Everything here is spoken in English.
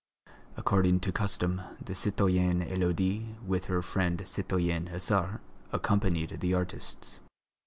According to custom, the citoyenne Élodie with her friend the citoyenne Hasard accompanied the artists.